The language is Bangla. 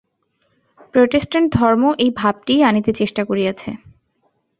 প্রোটেষ্টাণ্ট ধর্ম এই ভাবটিই আনিতে চেষ্টা করিয়াছে।